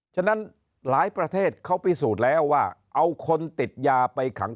ฉะนั้นหลายประเทศเขาพิสูจน์แล้วว่าเอาคนติดยาไปขัง